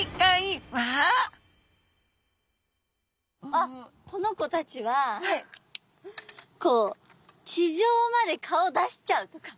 あっこの子たちはこう地上まで顔出しちゃうとか。